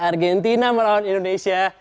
argentina melawan indonesia